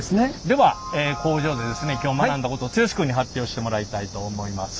では工場でですね今日学んだことを剛君に発表してもらいたいと思います。